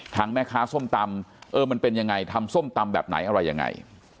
แม่ค้าส้มตำเออมันเป็นยังไงทำส้มตำแบบไหนอะไรยังไง